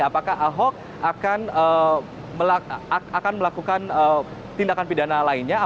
apakah ahok akan melakukan tindakan pidana lainnya